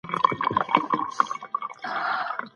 ټولنیز مهارتونه په ژوند کي حتمي دي.